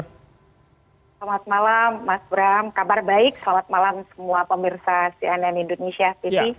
selamat malam mas bram kabar baik selamat malam semua pemirsa cnn indonesia tv